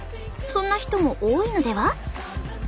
そんな人も多いのでは？